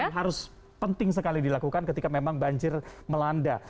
ini yang penting sekali dilakukan ketika memang banjir melanda